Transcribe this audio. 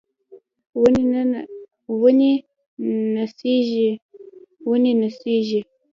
ونې نڅیږي ونې نڅیږي